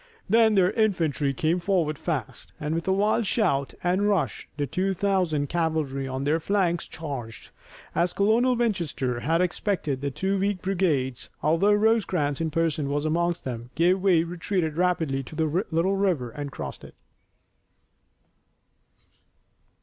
Then their infantry came forward fast, and with a wild shout and rush the two thousand cavalry on their flanks charged. As Colonel Winchester had expected, the two weak brigades, although Rosecrans in person was among them, gave way, retreated rapidly to the little river and crossed it.